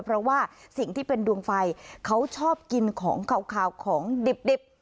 เพราะว่าสิ่งที่เป็นดวงไฟเขาชอบกินของขาวของดิบ